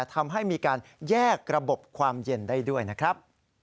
ทำให้มีการแยกระบบความเย็นได้ด้วยนะครับ